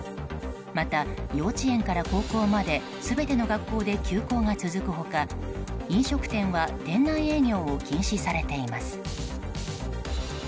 また、幼稚園から高校まで全ての学校で休校が続く他飲食店は店内営業を禁止されています。